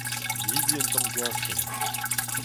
Debriñ un tamm gwastell.